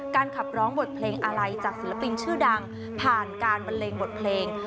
ขับร้องบทเพลงอะไรจากศิลปินชื่อดังผ่านการบันเลงบทเพลง